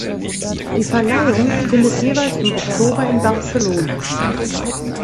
Die Verleihung findet jeweils im Oktober in Barcelona statt.